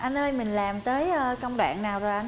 anh ơi mình làm tới công đoạn nào rồi anh